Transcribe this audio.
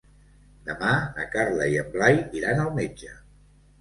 Demà na Carla i en Blai iran al metge.